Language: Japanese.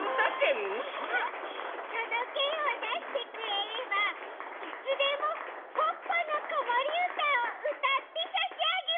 そのけんをだしてくれればいつでも「ポッポのこもりうた」をうたってさしあげます。